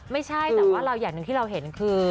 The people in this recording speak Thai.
ไม่ใช่แต่ว่าเราอย่างหนึ่งที่เราเห็นคือ